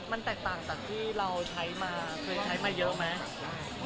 มันแตกต่างจากที่เราใช้มาเคยใช้มาเยอะไหม